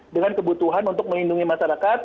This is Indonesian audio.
dengan kebutuhan untuk melindungi masyarakat